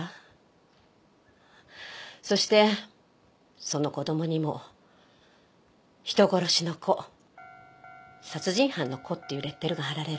そしてその子供にも人殺しの子殺人犯の子っていうレッテルが貼られる。